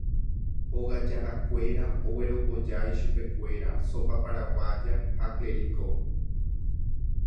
Ogajarakuéra ogueropojái chupekuéra sopa paraguaya ha clericó